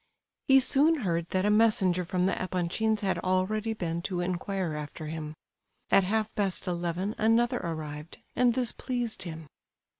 He soon heard that a messenger from the Epanchins' had already been to inquire after him. At half past eleven another arrived; and this pleased him.